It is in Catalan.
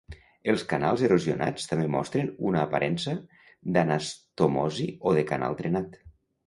Els canals erosionats també mostren una aparença d'anastomosi o de canal trenat.